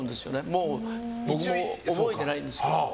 もう僕も覚えてないんですけど。